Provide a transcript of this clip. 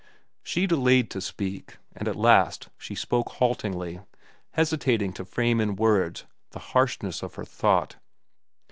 She delayed to speak, and at last she spoke haltingly, hesitating to frame in words the harshness of her thought.